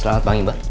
selamat pagi mbak